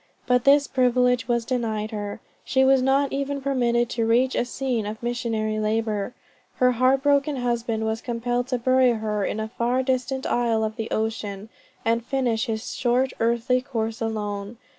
But this privilege was denied her; she was not even permitted to reach a scene of missionary labor. Her heart broken husband was compelled to bury her in a far distant isle of the ocean, and finish his short earthly course alone.